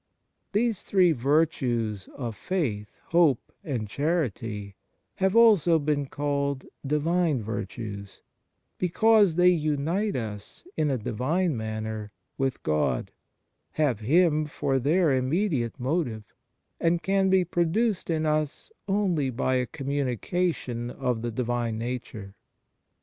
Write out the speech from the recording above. These three virtues of faith, hope, and charity, Q2 EFFECT AND FRUITS OF DIVINE GRACE have also been called Divine virtues, be cause they unite us in a Divine manner with God, have Him for their immediate motive, and can be produced in us only by a communication of the Divine Nature.